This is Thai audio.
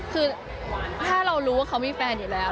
คือถ้าเรารู้ว่าเขามีแฟนอยู่แล้ว